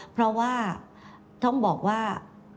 เพราะว่าต้องบอกว่า